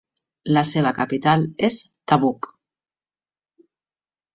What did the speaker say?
La seva capital és Tabuk.